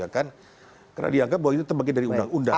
karena dianggap bahwa itu terbagi dari undang undang